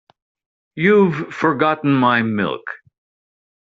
You've forgotten my milk.